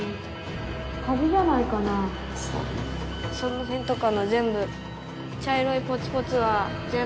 その辺とかの全部。